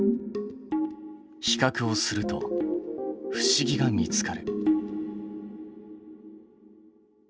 比較をすると不思議が見つかる。